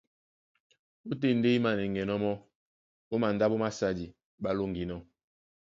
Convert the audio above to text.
Ótên ndé í mānɛŋgɛnɔ́ mɔ́ ó mandáɓo másadi ɓá lóŋginɔ́.